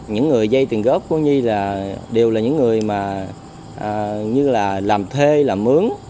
những người dây tiền góp của nhi là đều là những người mà như là làm thuê làm mướn